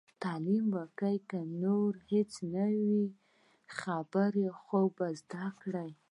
تعليم وکړئ! که نور هيڅ نه وي نو، خبرې خو به زده کړي.